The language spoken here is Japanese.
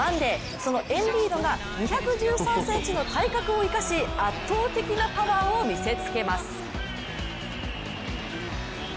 そのエンビードが、２１３ｃｍの体格を生かし圧倒的なパワーを見せつけます。